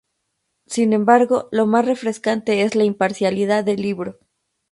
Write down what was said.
Sin embargo, lo más refrescante es la imparcialidad del libro.